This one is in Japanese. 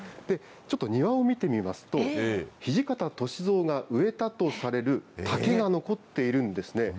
ちょっと庭を見てみますと、土方歳三が植えたとされる竹が残っているんですね。